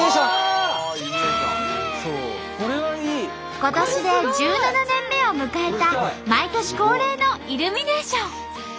今年で１７年目を迎えた毎年恒例のイルミネーション。